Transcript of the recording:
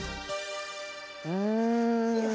うん。